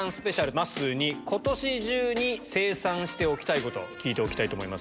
まっすーに、ことしじゅうに清算しておきたいこと、聞いておきたいと思います。